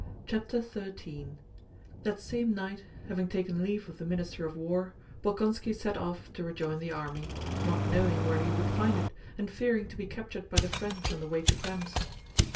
CHAPTER XIII That same night, having taken leave of the Minister of War, Bolkónski set off to rejoin the army, not knowing where he would find it and fearing to be captured by the French on the way to Krems.